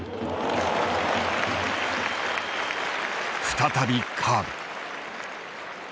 再びカーブ。